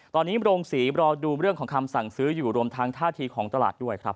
ตอนนี้โรงศรีรอดูเรื่องของคำสั่งซื้ออยู่รวมทางท่าทีของตลาดด้วยครับ